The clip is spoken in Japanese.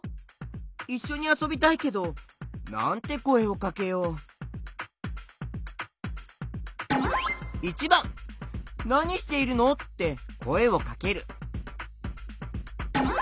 いっしょにあそびたいけどなんてこえをかけよう？ってこえをかける。